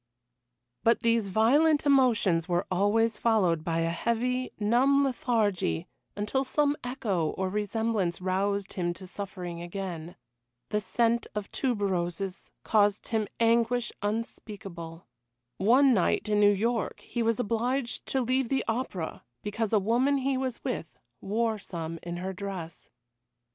But these violent emotions were always followed by a heavy, numb lethargy until some echo or resemblance roused him to suffering again. The scent of tuberoses caused him anguish unspeakable. One night in New York he was obliged to leave the opera because a woman he was with wore some in her dress.